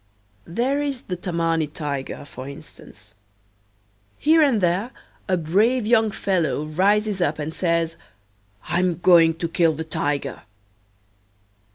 There is the Tammany Tiger, for instance. Here and there a brave young fellow rises up and says, "I'm going to kill the Tiger."